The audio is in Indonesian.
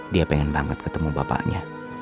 dia pengen banget ketemu bapaknya